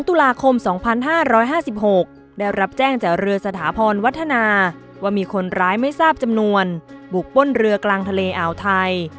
ตุลาคม๒๕๕๖ได้รับแจ้งจากเรือสถาพรวัฒนาว่ามีคนร้ายไม่ทราบจำนวนบุกป้นเรือกลางทะเลอ่าวไทย